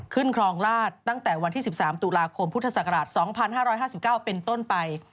ครองราชตั้งแต่วันที่๑๓ตุลาคมพุทธศักราช๒๕๕๙เป็นต้นไป